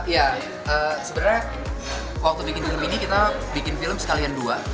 ya sebenarnya waktu bikin film ini kita bikin film sekalian dua